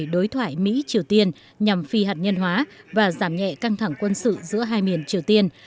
đối thoại mỹ triều tiên nhằm phi hạt nhân hóa và giảm nhẹ căng thẳng quân sự giữa hai miền triều tiên